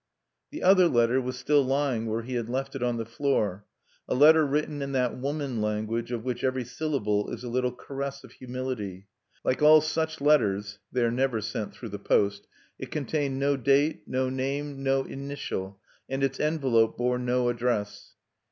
The other letter was still lying where he had left it on the floor, a letter written in that woman language of which every syllable is a little caress of humility. Like all such letters (they are never sent through the post) it contained no date, no name, no initial, and its envelope bore no address.